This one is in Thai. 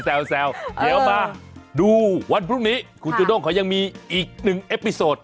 แซวเดี๋ยวมาดูวันพรุ่งนี้คุณจูน้องเขายังมีอีกนึงเอปิโซด